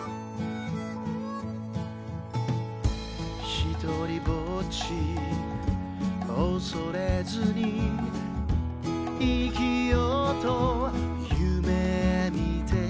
「ひとりぼっちおそれずに生きようと夢みてた」